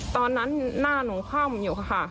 ตอนนั้นหน้านมเข้ามันอยู่ค่ะ